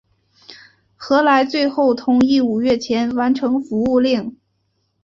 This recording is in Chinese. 何来最后同意五月前完成服务令。